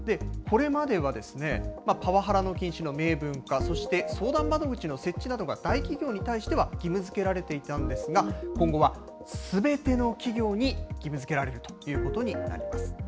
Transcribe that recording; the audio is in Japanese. これまではパワハラ禁止の明文化、そして相談窓口の設置などが、大企業に対しては義務づけられていたんですが、今後はすべての企業に義務づけられるということになります。